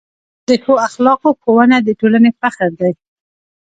د ښو اخلاقو ښوونه د ټولنې فخر دی.